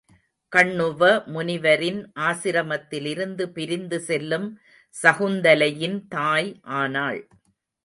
கண்ணுவ முனிவரின் ஆசிரமத்திலிருந்து பிரிந்து செல்லும் சகுந்தலையின் தாய் ஆனாள்.